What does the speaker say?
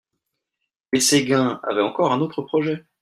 Mais Séguin avait encore un autre projet.